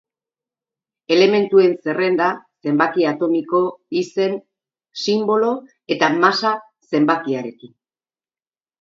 Elementuen zerrenda, zenbaki atomiko, izen, sinbolo eta masa-zenbakiarekin.